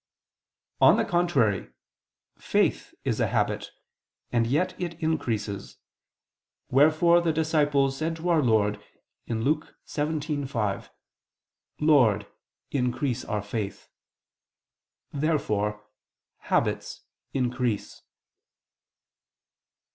On the contrary, Faith is a habit, and yet it increases: wherefore the disciples said to our Lord (Luke 17:5): "Lord, increase our faith." Therefore habits increase.